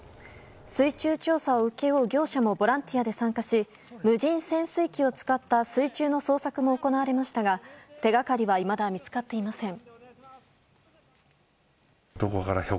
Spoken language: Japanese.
水中調査を請け負う業者もボランティアで参加し無人潜水機を使った水中の捜索も行われましたが手掛かりはいまだ見つかっていません。